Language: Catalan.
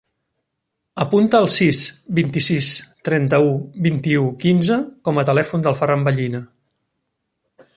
Apunta el sis, vint-i-sis, trenta-u, vint-i-u, quinze com a telèfon del Ferran Vallina.